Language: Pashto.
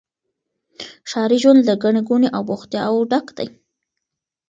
ښاري ژوند له ګڼي ګوڼي او بوختياوو ډک دی.